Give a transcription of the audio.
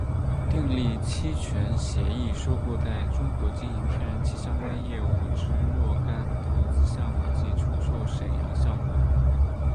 订立期权协议收购在中国经营天然气相关业务之若干投资项目及出售沈阳项目。